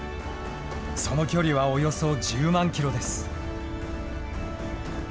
その距離はおよそ１０万キロです。